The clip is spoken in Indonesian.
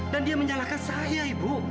dan dia menyalahkan saya ibu